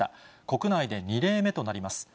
国内で２例目となります。